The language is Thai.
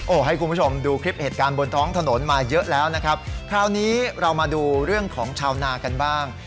ให้คุณผู้ชมดูคลิปเหตุการณ์บนท้องถนนมาเยอะแล้วนะครับคราวนี้เรามาดูเรื่องของชาวนากันบ้าง